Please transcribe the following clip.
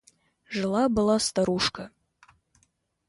Жила была старушка.